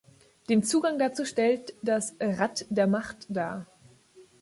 Den Zugang dazu stellt das "Rad der Macht" dar.